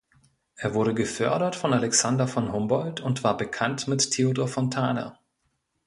Er wurde gefördert von Alexander von Humboldt und war bekannt mit Theodor Fontane.